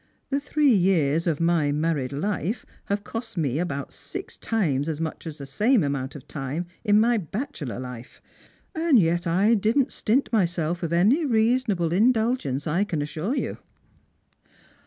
The three years of my married life have cost me about six times as much as the same amount of time in my bachelor life; and yet I didn't Btint myself of any reasonable indulgence, I can assure you."